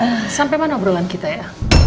terus tadi sampai mana obrolan kita ya